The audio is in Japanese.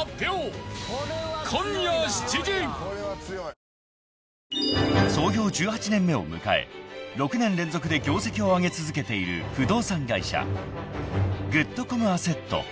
三菱電機［創業１８年目を迎え６年連続で業績を上げ続けている不動産会社グッドコムアセット］